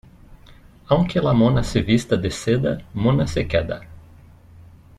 Aunque la mona se vista de seda, mona se queda.